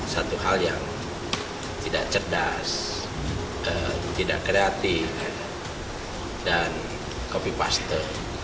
satu hal yang tidak cerdas tidak kreatif dan copy paste